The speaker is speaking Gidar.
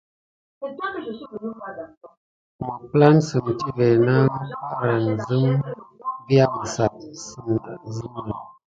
Məpplansəm tive napprahan zəmə vis amizeb sine sime.